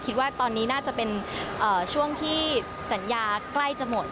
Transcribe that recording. คิดว่าตอนนี้น่าจะเป็นช่วงที่สัญญาใกล้จะหมด